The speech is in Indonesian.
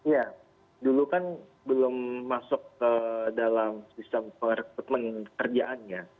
ya dulu kan belum masuk ke dalam sistem perekrutmen kerjaannya